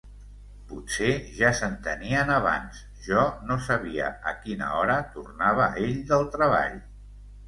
Potser ja s'entenien abans, jo no sabia a quina hora tornava ell del treball.